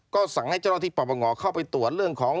ก็สั่งให้เจ้าหน้าที่ปปงเข้าไปตรวจเรื่องของ